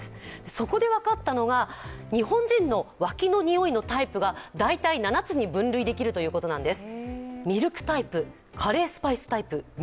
そこで分かったのが日本人の脇のにおいのタイプが、大体７つに分類できるということなんです。